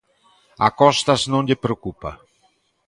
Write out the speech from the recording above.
A Costas non lle preocupa.